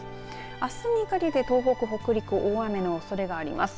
あすにかけて東北、北陸大雨のおそれがあります。